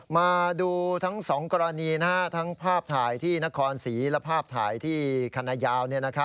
มาดูทั้ง๒กรณีทั้งภาพถ่ายที่นครศรีและภาพถ่ายที่คณะยาว